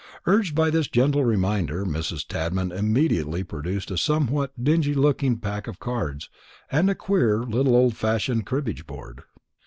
Urged by this gentle reminder, Mrs. Tadman immediately produced a somewhat dingy looking pack of cards and a queer little old fashioned cribbage board.